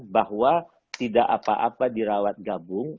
bahwa tidak apa apa dirawat gabung